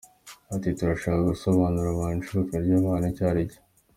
Ati” Turashaka gusobanurira abantu icuruzwa ry’abantu icyo ari cyo.